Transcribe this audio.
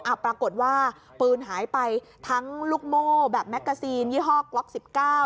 ปรากฏว่าปืนหายไปทั้งลูกโม่แบบแมกกาซีนยี่ห้อกล็อกสิบเก้า